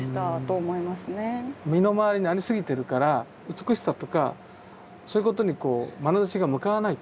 身の回りにありすぎてるから美しさとかそういうことにこうまなざしが向かわないと。